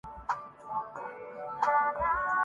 دل کا پنچھی قید میں آ کر کیوں اتنا حیران ہوا